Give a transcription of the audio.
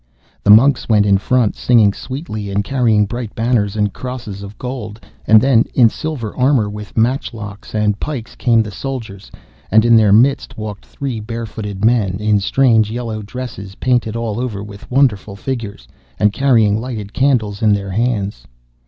The monks went in front singing sweetly, and carrying bright banners and crosses of gold, and then, in silver armour, with matchlocks and pikes, came the soldiers, and in their midst walked three barefooted men, in strange yellow dresses painted all over with wonderful figures, and carrying lighted candles in their hands.